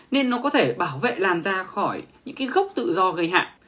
nên nó có thể bảo vệ làn da khỏi những gốc tự do gây hạn